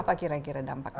apa kira kira dampaknya